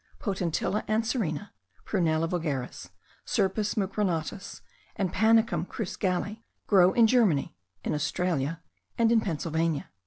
Potentilla anserina, Prunella vulgaris, Scirpus mucronatus, and Panicum crus galli, grow in Germany, in Australia, and in Pennsylvania.)